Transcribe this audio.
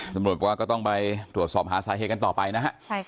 สำรวจว่าก็ต้องไปตรวจสอบหาสาเหตุต่อไปนะครับ